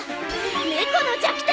猫の弱点！